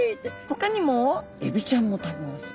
ほかにもエビちゃんも食べます。